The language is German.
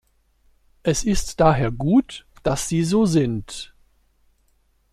Es ist daher gut, dass sie so sind.